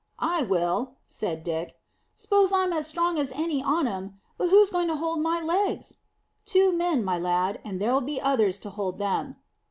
"I will," said Dick. "'Spose I'm as strong as any on 'em. But who's going to hold my legs?" "Two men, my lad, and there'll be others to hold them."